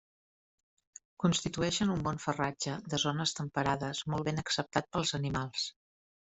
Constitueixen un bon farratge de zones temperades molt ben acceptat pels animals.